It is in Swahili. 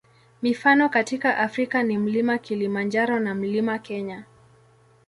Mifano katika Afrika ni Mlima Kilimanjaro na Mlima Kenya.